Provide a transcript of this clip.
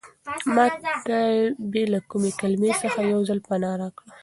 ما ته بې له کومې کلمې څخه یو ځل پناه راکړه.